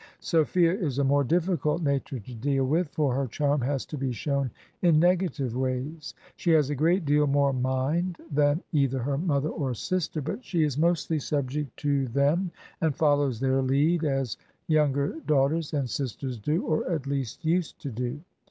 Sophia is a more difficult nature to deal with, for her charm has to be shown in negative ways. She has a great deal more mind than either her mother or sister, but she is mostly subject to 9 Digitized by VjOOQIC HEROINES OF FICTION them, and follows their lead as younger daughters and sisters do, or at least used to do.